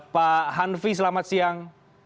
pak hanfi selamat siang